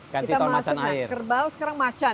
kita masuk ke kerbau sekarang macan